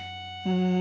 うん。